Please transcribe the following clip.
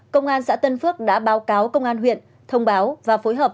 công an xã tân phước đã báo cáo công an huyện thông báo và phối hợp